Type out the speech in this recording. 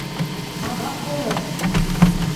Һабаҡ булыр!